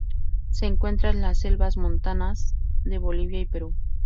Se encuentra en las selvas montanas de Bolivia y Perú.